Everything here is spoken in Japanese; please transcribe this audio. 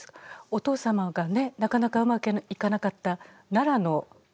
お父様がねなかなかうまくいかなかった奈良の？